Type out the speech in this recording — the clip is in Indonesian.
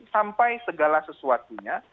sampai segala sesuatunya